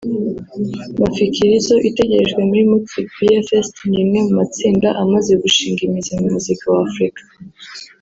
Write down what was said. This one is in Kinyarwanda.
Mafikizolo itegerejwe muri Mützig Beer Fest ni imwe mu matsinda amaze gushinga imizi mu muziki wa Afurika